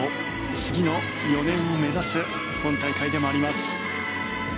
次の４年を目指す今大会でもあります。